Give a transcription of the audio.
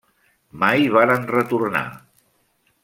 Mai varen retornar.